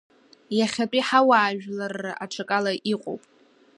Иахьатәи ҳуаажәларра аҽакала иҟоуп.